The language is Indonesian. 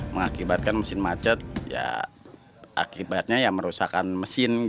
mengakibatkan mesin macet ya akibatnya ya merusakan mesin